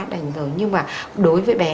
đành lớn nhưng mà đối với bé